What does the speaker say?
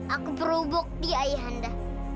aku perubuk di ayah anda